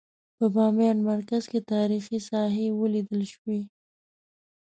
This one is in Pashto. په بامیان مرکز کې تاریخي ساحې ولیدل شوې.